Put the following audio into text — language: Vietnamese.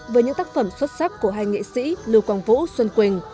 với những tác phẩm xuất sắc của hai nghệ sĩ lưu quang vũ xuân quỳnh